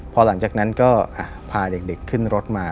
พอหลังจากนั้นก็พาเด็กขึ้นรถมา